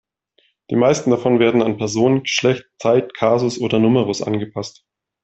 Die meisten davon werden an Person, Geschlecht, Zeit, Kasus oder Numerus angepasst.